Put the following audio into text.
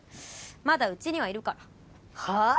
まだうちにはいるからはあ？